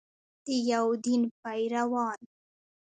د یو دین پیروان.